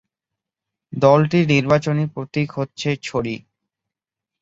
দলটির নির্বাচনী প্রতীক হচ্ছে ছড়ি।